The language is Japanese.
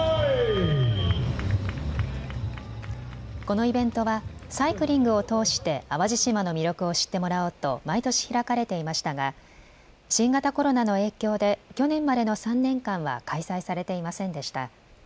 このイベントはサイクリングを通して淡路島の魅力を知ってもらおうと毎年開かれていましたが新型コロナの影響で去年までの３年間は開催されていませんでした。